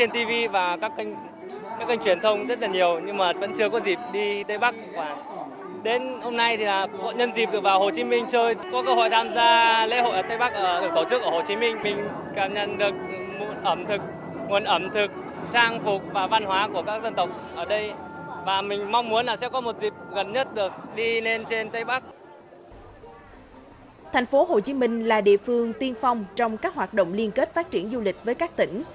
thành phố hồ chí minh là địa phương tiên phong trong các hoạt động liên kết phát triển du lịch với các tỉnh